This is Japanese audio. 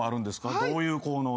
どういう効能で？